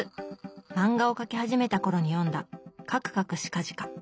漫画を描き始めた頃に読んだ「かくかくしかじか」。